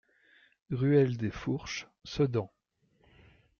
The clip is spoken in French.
Ruelle des Fourches, Sedan